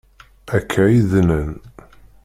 Akka i d-nnan.